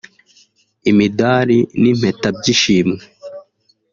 Imidari n’Impeta by’Ishimwe